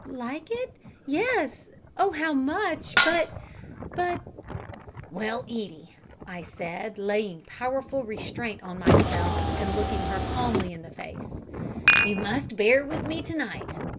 "Like it? Yes. Oh, how much! But but " "Well, Edie," I said, laying powerful restraint on myself, and looking her calmly in the face, "you must bear with me to night.